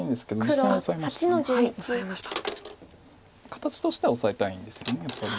形としてはオサえたいんですよねやっぱり。